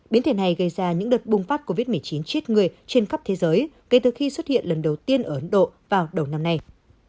biến thể này gây ra những đợt bùng phát covid một mươi chín chết người trên khắp thế giới kể từ khi xuất hiện lần đầu tiên ở ấn độ vào đầu năm nay